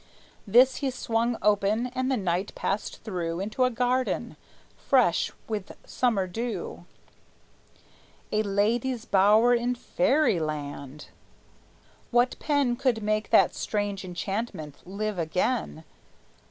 This he swung open; and the knight passed through Into a garden, fresh with summer dew! A lady's bower in Fairyland! What pen Could make that strange enchantment live again?